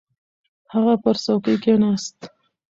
هغه پر څوکۍ کښېناست.